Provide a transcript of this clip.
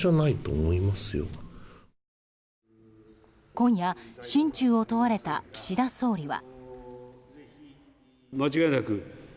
今夜心中を問われた岸田総理は。